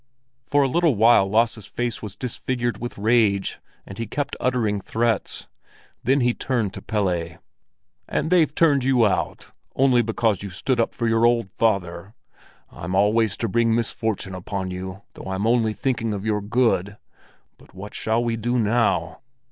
For a little while Lasse's face was disfigured with rage, and he kept uttering threats. Then he turned to Pelle. "And they've turned you out? Only because you stood up for your old father! I'm always to bring misfortune upon you, though I'm only thinking of your good! But what shall we do now?"